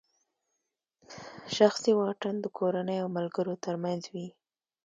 شخصي واټن د کورنۍ او ملګرو ترمنځ وي.